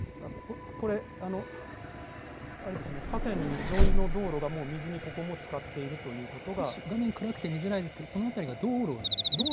これ、あれですね、河川沿いの道路がもう水にここもつかっている少し画面暗くて見づらいです道路ですね。